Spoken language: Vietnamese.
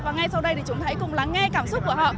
và ngay sau đây chúng ta hãy cùng lắng nghe cảm xúc của họ